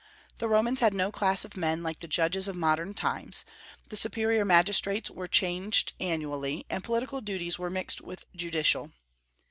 The Romans had no class of men like the judges of modern times; the superior magistrates were changed annually, and political duties were mixed with judicial.